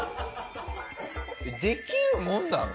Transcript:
できるもんなの？